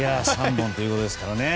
３本ということですから。